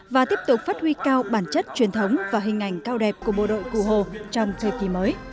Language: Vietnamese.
và tiếp tục phát huy cao bản chất truyền thống và hình ảnh cao đẹp của bộ đội cụ hồ trong thời kỳ mới